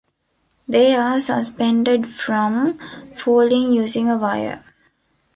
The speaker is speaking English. They are suspended from falling using a wire.